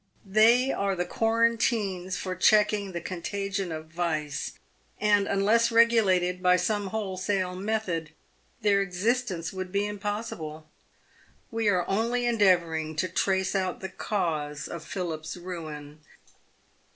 They are the quarantines for checking the contagion of vice, and unless regulated by some whole PAVED WITH GOLD. 251 sale method, their existence would be impossible. "We are only en deavouring to trace out the cause of Philip's ruin.